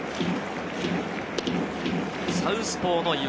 サウスポーの岩貞。